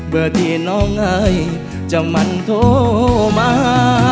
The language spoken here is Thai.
เบอร์ที่น้องไอ้จะมันโทรมา